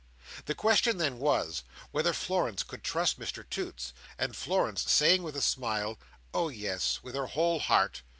The question then was, whether Florence could trust Mr Toots; and Florence saying, with a smile, "Oh, yes, with her whole heart!"